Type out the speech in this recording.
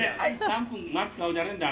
３分待つ顔じゃねえんだ